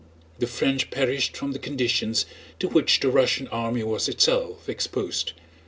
The French perished from the conditions to which the Russian army was itself exposed.